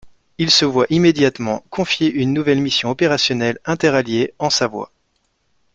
Ils se voient immédiatement confier une nouvelle mission opérationnelle interalliée en Savoie.